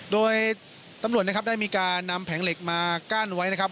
โดยตำรวจนะครับได้มีการนำแผงเหล็กมากั้นไว้นะครับ